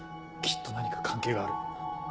きっと何か関係がある。